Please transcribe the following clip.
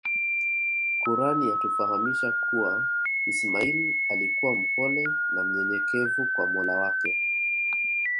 Quran yatufahamisha kuwa ismail alikua mpole na mnyenyekevu kwa mola wake